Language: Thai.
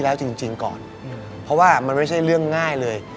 ดูถึงเลย